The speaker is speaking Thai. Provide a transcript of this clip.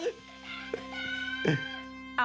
ให้เยอะค่ะ